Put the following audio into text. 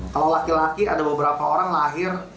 kalau laki laki ada beberapa orang lahir